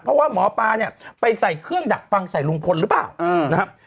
เพราะว่าหมอปลาเนี่ยไปใส่เครื่องดักฟังใส่ลุงพลหรือเปล่านะครับ